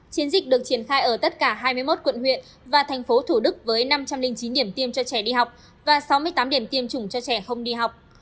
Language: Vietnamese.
chiến dịch được triển khai ở tất cả hai mươi một quận huyện và thành phố thủ đức với năm trăm linh chín điểm tiêm cho trẻ đi học và sáu mươi tám điểm tiêm chủng cho trẻ không đi học